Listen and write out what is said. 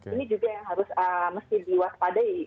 ini juga yang harus mesti diwaspadai